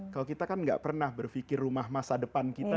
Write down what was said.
kalau kita kan gak pernah berpikir rumah masa depan kita